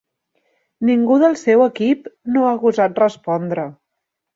Ningú del seu equip no ha gosat respondre.